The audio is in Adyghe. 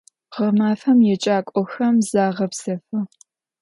Ğemafem yêcak'oxem zağepsefı.